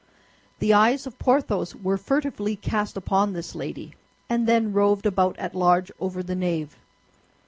The eyes of Porthos were furtively cast upon this lady, and then roved about at large over the nave.